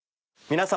皆様。